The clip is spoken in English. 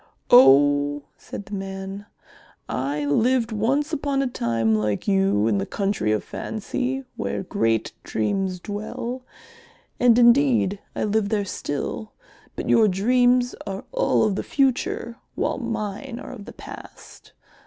"Oh," said the man, "I lived once upon a time like you in the Country of Fancy where great Dreams dwell, and indeed I live there still, but your dreams are all of the future while mine are of the past.